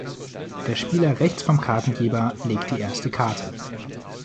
Der Spieler rechts vom Kartengeber legt die erste Karte.